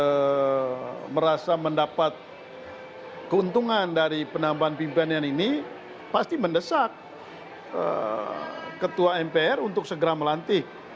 yang merasa mendapat keuntungan dari penambahan pimpinan ini pasti mendesak ketua mpr untuk segera melantik